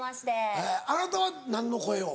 あなたは何の声を？